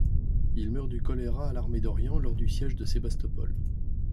Il meurt du choléra à l’armée d’Orient lors du siège de Sébastopol.